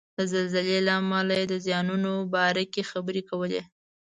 د زلزلې له امله یې د زیانونو باره کې خبرې کولې.